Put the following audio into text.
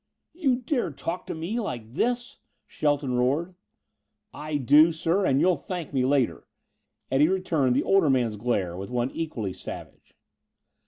"You dare talk to me like this!" Shelton roared. "I do, sir, and you'll thank me later." Eddie returned the older man's glare with one equally savage.